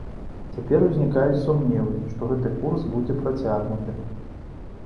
Цяпер узнікаюць сумневы, што гэты курс будзе працягнуты.